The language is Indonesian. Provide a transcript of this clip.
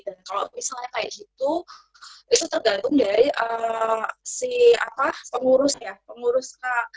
dan kalau misalnya kayak gitu itu tergantung dari si apa pengurus ya pengurus